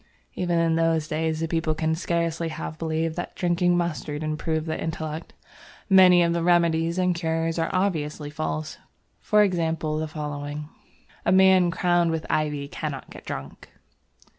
Even in those days the people can scarcely have believed that drinking mustard improved the intellect. Many of the remedies and cures are obviously false, for example the following: "A man crowned with Ivy cannot get drunk."